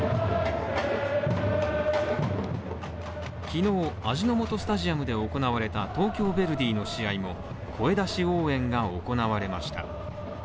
昨日、味の素スタジアムで行われた東京ヴェルディの試合も、声出し応援が行われました。